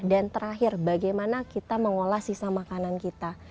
dan terakhir bagaimana kita mengolah sisa makanan kita